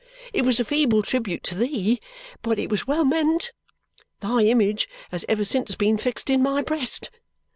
It was a feeble tribute to thee, but it was well meant. Thy image has ever since been fixed in my breast.